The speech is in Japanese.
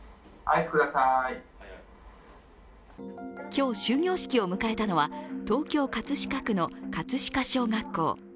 今日、終業式を迎えたのは東京・葛飾区の葛飾小学校。